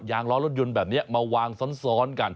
ล้อรถยนต์แบบนี้มาวางซ้อนกัน